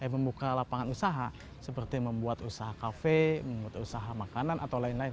membuka lapangan usaha seperti membuat usaha kafe membuat usaha makanan atau lain lain